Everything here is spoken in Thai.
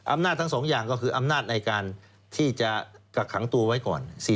อำนาจทั้ง๒อย่างก็คืออำนาจในการที่จะกักขังตัวไว้ก่อน